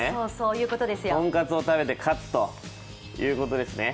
とんかつを食べて「勝つ」ということですね。